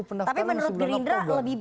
tapi menurut gerindra lebih